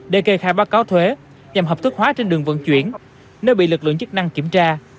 để kê khai báo cáo thuế nhằm hợp thức hóa trên đường vận chuyển nếu bị lực lượng chức năng kiểm tra